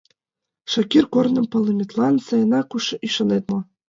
— Шакир, корным палыметлан сайынак ӱшанет мо?